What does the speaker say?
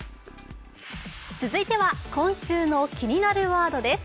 続いては今週の「気になるワード」です。